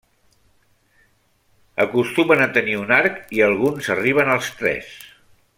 Acostumen a tenir un arc, i alguns arriben als tres.